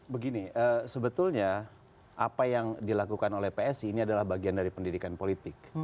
begini sebetulnya apa yang dilakukan oleh psi ini adalah bagian dari pendidikan politik